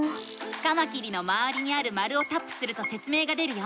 カマキリのまわりにある丸をタップするとせつ明が出るよ。